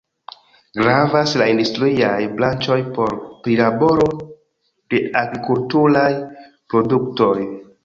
Gravas la industriaj branĉoj por prilaboro de la agrikulturaj produktoj.